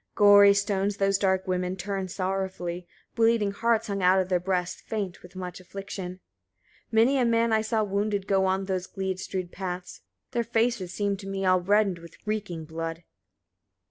Gory stones those dark women turned sorrowfully; bleeding hearts hung out of their breasts, faint with much affliction. 59. Many a man I saw wounded go on those gleed strewed paths; their faces seemed to me all reddened with reeking blood.